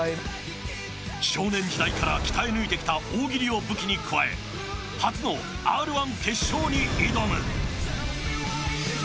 少年時代から鍛え抜いてきた大喜利を武器に加え初のＲ−１決勝に挑む。